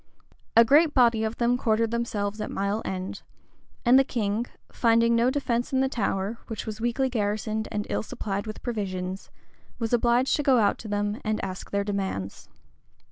[*] A great body of them quartered themselves at Mile End; and the king, finding no defence in the Tower, which was weakly garrisoned and ill supplied with provisions, was obliged to go out to them and ask their demands.